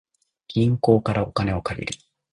銀行からお金を借りる